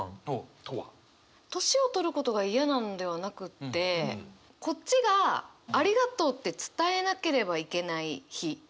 年をとることが嫌なんではなくってこっちが「ありがとう」って伝えなければいけない日。